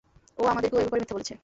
ও আমাদেরকেও এ ব্যাপারে মিথ্যা বলেছে।